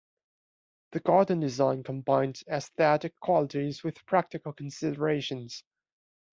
The garden design combined aesthetic qualities with practical considerations.